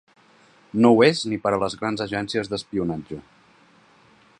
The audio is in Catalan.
No ho és ni per a les grans agències d’espionatge.